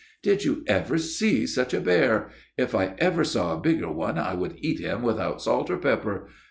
"Did you ever see such a bear! If I ever saw a bigger one I would eat him without salt or pepper.